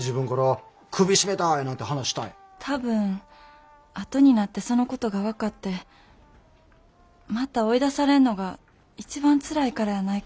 多分あとになってそのことが分かってまた追い出されんのが一番つらいからやないかな。